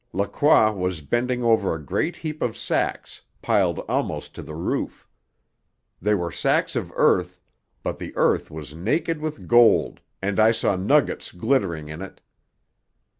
Lacroix was bending over a great heap of sacks, piled almost to the roof. They were sacks of earth, but the earth was naked with gold, and I saw nuggets glittering in it.